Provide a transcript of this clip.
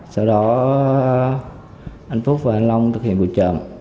sau đó anh phúc và anh long thực hiện buổi trộm